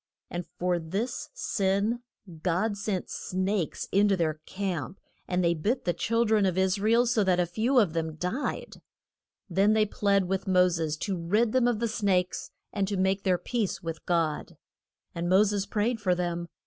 And for this sin God sent snakes in to their camp, and they bit the chil dren of Is ra el so that a few of them died. Then they plead with Mo ses to rid them of the snakes, and make their peace with God. And Mo ses prayed for them.